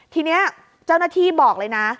ทีนี้เจ้าหน้าที่บอกเลยนะ